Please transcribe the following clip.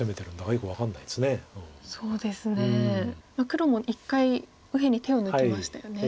黒も一回右辺に手を抜きましたよね。